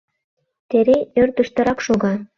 Терей ӧрдыжтырак шога.